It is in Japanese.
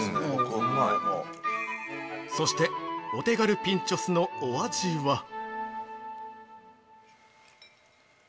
◆そして、お手軽ピンチョスのお味は？